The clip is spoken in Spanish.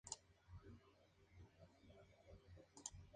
Es entonces cuando se reemplaza la minería por el ganado mular y vacuno.